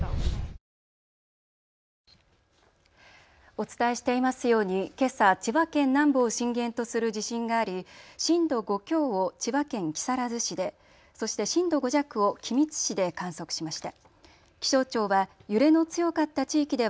お伝えしていますようにけさ、千葉県南部を震源とする地震があり震度５強を千葉県木更津市で、そして震度５弱を君津市で観測しました。